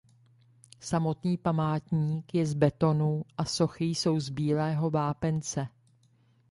Samotný památník je z betonu a sochy jsou z bílého vápence.